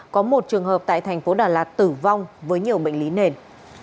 có một trường hợp tại thành phố đà lạt tử vong với nhiều bệnh lý nền